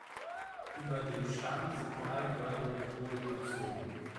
Über dem Stamm sind drei goldene Kronen gezogen.